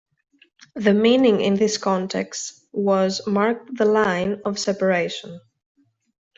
The meaning in this context was "marked the line" of separation.